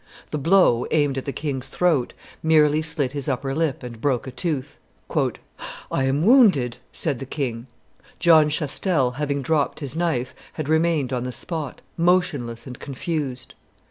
The blow, aimed at the king's throat, merely slit his upper lip and broke a tooth. "I am wounded!" said the king. John Chastel, having dropped his knife, had remained on the spot, motionless and confused.